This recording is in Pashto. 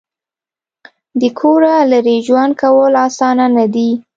د کوره لرې ژوند کول اسانه نه دي.